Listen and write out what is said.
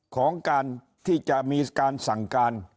ของการที่จะมีการสั่งการ